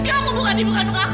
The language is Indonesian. kamu bukan ibu kandung aku